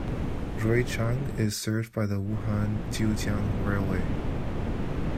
Ruichang is served by the Wuhan-Jiujiang Railway.